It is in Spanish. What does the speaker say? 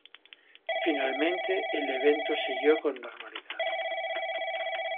Finalmente, el evento siguió con normalidad.